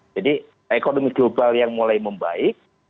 jadi ekonomi global yang mulai membaik